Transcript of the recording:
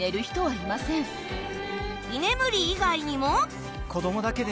居眠り以外にも。